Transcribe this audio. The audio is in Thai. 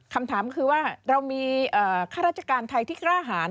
คำถามคือว่าเรามีข้าราชการไทยที่กล้าหาร